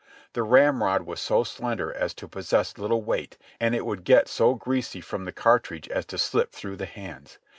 The ramrod was so slender as to possess little weight and it would get so greasy from the cart ridge as to slip through the hands.